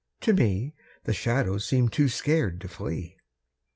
To me The shadows seem too scared to flee.